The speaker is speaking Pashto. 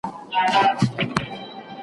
زه په اغزیو کی ورځم زه به پر سر ورځمه